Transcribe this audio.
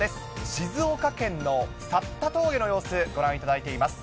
静岡県のさった峠の様子、ご覧いただいています。